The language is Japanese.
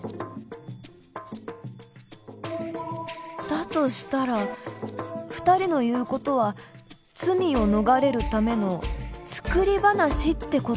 だとしたら２人の言う事は罪を逃れるための作り話って事？